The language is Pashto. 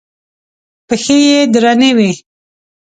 پښې یې درنې وې.